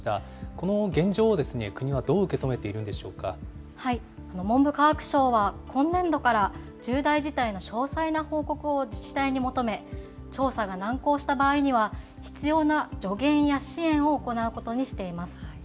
この現状を国はどう受け止めてい文部科学省は、今年度から、重大事態の詳細な報告を自治体に求め、調査が難航した場合には、必要な助言や支援を行うことにしています。